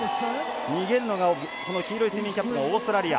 逃げるのが黄色いスイミングキャップのオーストラリア。